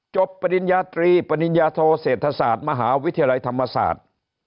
ปริญญาตรีปริญญาโทเศรษฐศาสตร์มหาวิทยาลัยธรรมศาสตร์